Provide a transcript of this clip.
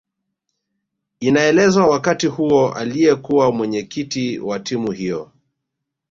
Inaelezwa wakati huo aliyekuwa Mwenyekiti wa timu hiyo